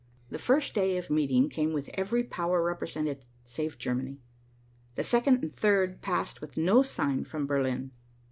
The first day of meeting came with every power represented save Germany. The second and third passed with no sign from Berlin.